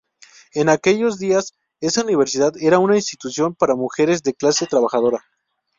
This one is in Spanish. En aquellos días, esa universidad era una institución para mujeres de clase trabajadora.